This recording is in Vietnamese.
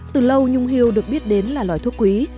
từ lâu nhung hiêu được biết đến là loài thuốc quý